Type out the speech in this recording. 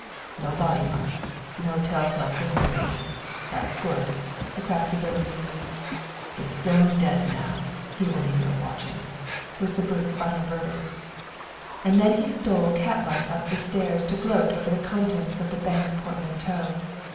"No body marks, no tell tale finger rings; that's good," the crafty villain mused. "He is stone dead now; he will need no watching," was the brute's final verdict. And then he stole cat like up the stairs to gloat over the contents of the bank portmanteau.